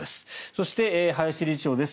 そして、林理事長です。